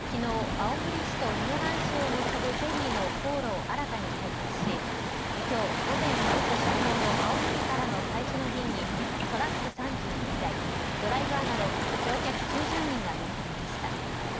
青森市と室蘭市を結ぶフェリーの航路を新たに開設しきょう午前９時出航の青森からの最初の便にトラック３１台ドライバーなど乗客９０人が乗り込みました。